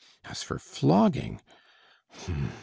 As for flogging, h'm!